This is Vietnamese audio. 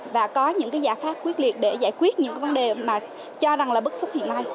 và có những cái giải pháp quyết liệt để giải quyết những vấn đề mà cho rằng là bức xúc hiện nay